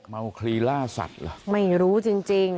มัวคลีร่าสัตว์เหรอไม่รู้จริง